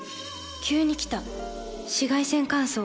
急に来た紫外線乾燥。